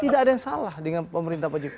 tidak ada yang salah dengan pemerintah pak jokowi